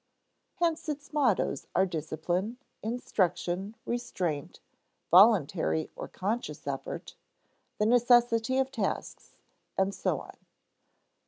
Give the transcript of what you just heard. Hence its mottoes are discipline, instruction, restraint, voluntary or conscious effort, the necessity of tasks, and so on.